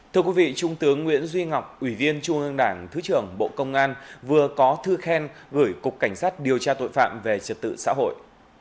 thưa quý vị trung tướng nguyễn duy ngọc ủy viên trung ương đảng thứ trưởng bộ công an vừa có thư khen gửi cục cảnh sát điều tra tội phạm về trật tự xã hội